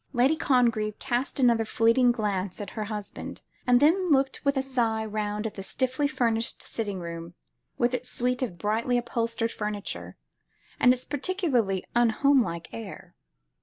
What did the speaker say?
Lady Congreve cast another fleeting glance at her husband, then looked with a sigh round the stiffly furnished sitting room, with its suite of brightly upholstered furniture, and its particularly unhomelike air.